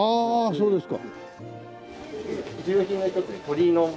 そうですね。